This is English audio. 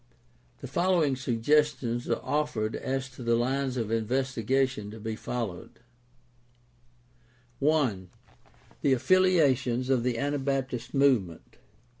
The following suggestions are offered as to the lines of investigation to be followed: 1. The affiliations of the Anabaptist movement.